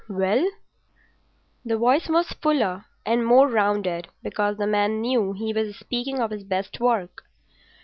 "Well?" The voice was fuller and more rounded, because the man knew he was speaking of his best work.